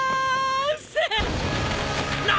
何！